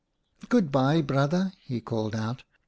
' Good bye, Brother/ he called out.